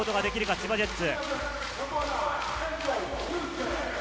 千葉ジェッツ。